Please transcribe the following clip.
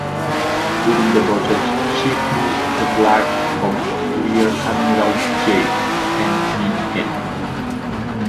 During the voyage, she flew the flag of Rear Admiral J. McN.